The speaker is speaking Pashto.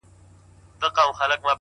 نورو ته دى مينه د زړگي وركوي تا غواړي.!